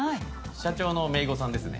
社長のめいごさんですね。